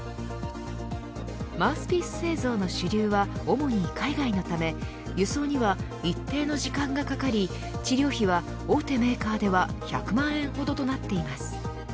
マウスピース製造の主流は主に海外のため輸送には一定の時間がかかり治療費は大手メーカーでは１００万円ほどとなっています。